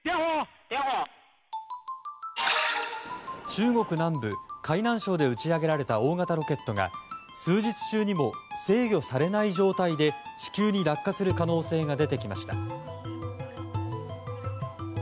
中国南部、海南省で打ち上げられた大型ロケットが数日中にも制御されない状態で地球に落下する可能性が出てきました。